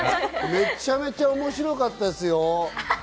めちゃめちゃ面白かったですよ。